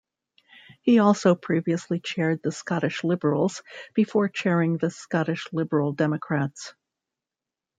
He also previously chaired the Scottish Liberals, before chairing the Scottish Liberal Democrats.